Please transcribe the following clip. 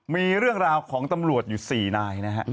มีเรื่องราวของตำรวจอยู่๔นายนะฮะ